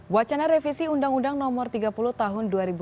wacana revisi undang undang nomor tiga puluh tahun dua ribu dua